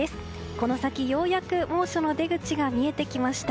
この先、ようやく猛暑の出口が見えてきました。